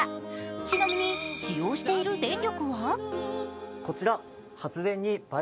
ちなみに使用している電力は？